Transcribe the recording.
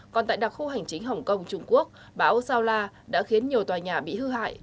còn tại đặc khu hành chính hồng kông trung quốc bão sao la đã khiến nhiều tòa nhà bị hư hại